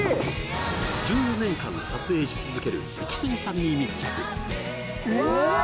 １４年間撮影し続けるイキスギさんに密着うわ！